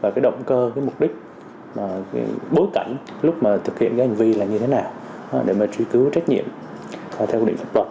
và động cơ mục đích bối cảnh lúc thực hiện hành vi là như thế nào để truy cứu trách nhiệm theo định pháp luật